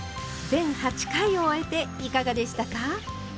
全８回を終えていかがでしたか？